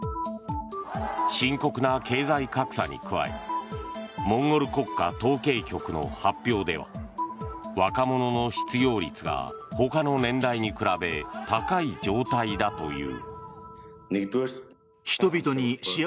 深刻な経済格差に加えモンゴル国家統計局の発表では若者の失業率がほかの年代に比べ高い状態だという。